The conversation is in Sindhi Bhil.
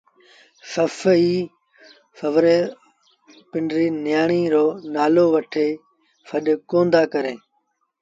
سس ائيٚݩ سُورو پنڊري نيٚآڻي رو نآلو وٺي سڏ ڪوندآ ڪريݩ